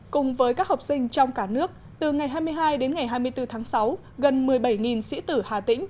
cùng với các học sinh trong cả nước từ ngày hai mươi hai đến ngày hai mươi bốn tháng sáu gần một mươi bảy sĩ tử hà tĩnh